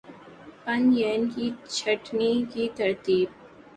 پن ین کی چھٹنی کی ترتیب